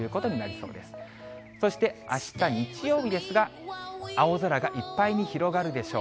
そして、あした日曜日ですが、青空がいっぱいに広がるでしょう。